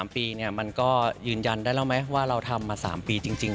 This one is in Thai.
๓ปีมันก็ยืนยันได้แล้วไหมว่าเราทำมา๓ปีจริง